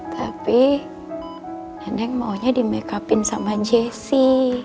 tapi nenek maunya di make upin sama jessy